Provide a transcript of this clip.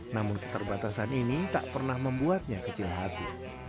namun keterbatasan ini tak pernah membuatnya kecil hati